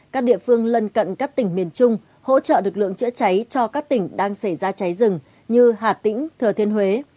các địa phương lân cận các tỉnh miền trung hỗ trợ lực lượng chữa cháy cho các tỉnh đang xảy ra cháy rừng như hà tĩnh thừa thiên huế